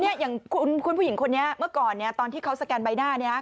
อย่างคุณผู้หญิงคนนี้เมื่อก่อนตอนที่เขาสแกนใบหน้า